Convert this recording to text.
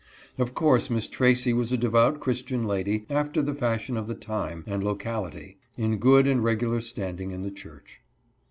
Of course Miss Tracy was a devout Christian lady after the fashion of the time and locality, in good and regular standing in the church.